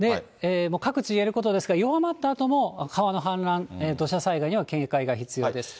各地、言えることですが、弱まったあとも、川の氾濫、土砂災害には警戒が必要です。